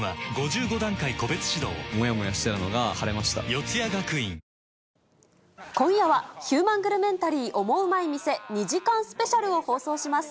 三ツ矢サイダー』今夜はヒューマングルメンタリー、オモウマい店２時間スペシャルを放送します。